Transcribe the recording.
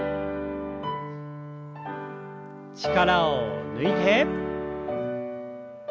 力を抜いて。